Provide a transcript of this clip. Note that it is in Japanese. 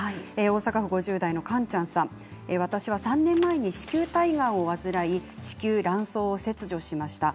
大阪府５０代の方私は３年前に子宮体がんを患い子宮、卵巣を切除しました。